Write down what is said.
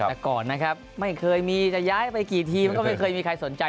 แต่ก่อนนะครับไม่เคยมีจะย้ายไปกี่ทีมันก็ไม่เคยมีใครสนใจ